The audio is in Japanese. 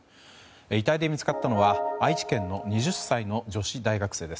遺体で見つかったのは愛知県の２０歳の女子大学生。